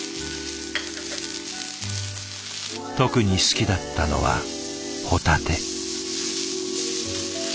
特に好きだったのはホタテ。